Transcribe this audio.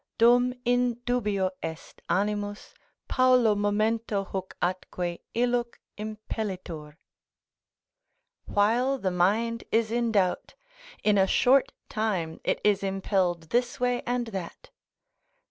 "Dum in dubio est animus, paulo momento huc atque Illuc impellitur." ["While the mind is in doubt, in a short time it is impelled this way and that."